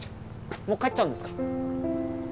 もう帰っちゃうんですか？